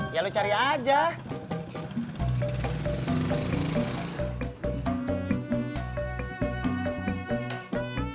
emangnya ada jok